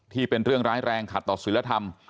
เป็นเรื่องร้ายแรงขัดต่อศิลธรรม